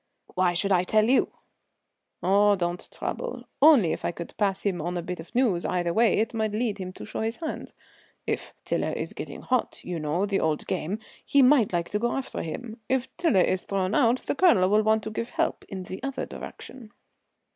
"Why should I tell you?" "Oh, don't trouble; only if I could pass him on a bit of news either way it might lead him to show his hand. If Tiler is getting 'hot' you know the old game he might like to go after him. If Tiler is thrown out the Colonel will want to give help in the other direction."